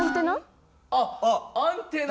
あっアンテナ。